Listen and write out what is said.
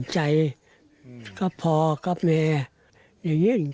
อยากให้รัฐบาลนำร่างลูกชายกลับมาให้ครอบครัวได้ทำวิจิทธิ์ทางศาสนาครับ